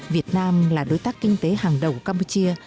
việt nam là đối tác kinh tế hàng đầu campuchia